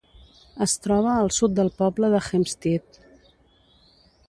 Es troba al sud del poble de Hempstead.